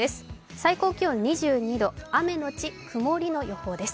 最高気温２２度雨のち曇りの予報です。